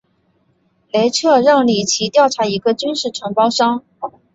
雷彻让里奇调查一个军事承包商。